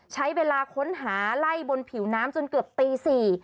ใช้เวลาค้นหาไล่บนผิวน้ำจนเกือบตี๔